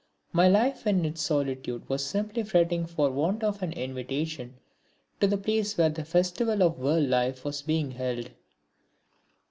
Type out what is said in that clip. My life in its solitude was simply fretting for want of an invitation to the place where the festival of world life was being held.